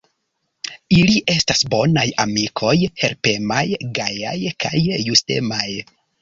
Ili estas bonaj amikoj, helpemaj, gajaj kaj justemaj.